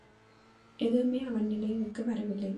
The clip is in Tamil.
எதுவுமே அவன் நினைவுக்கு வரவில்லை.